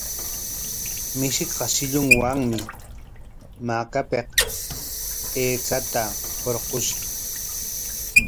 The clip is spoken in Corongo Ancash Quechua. Mishiqa shillunwami makapik aychata hurqushqa.